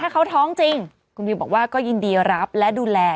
คุณบิวบอกว่าก็ยินดีรับและดูแล